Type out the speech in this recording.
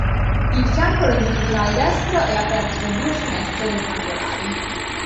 Il fianco longitudinale destro è aperto da due finestre rettangolari.